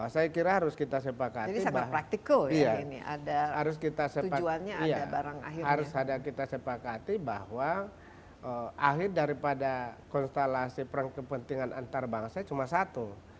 saya kira harus kita sepakati bahwa akhir daripada konstelasi perang kepentingan antarabangsa cuma satu